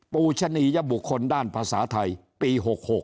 ปูชนียบุคคลด้านภาษาไทยปี๖๖